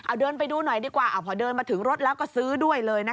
เอาเดินไปดูหน่อยดีกว่าพอเดินมาถึงรถแล้วก็ซื้อด้วยเลยนะคะ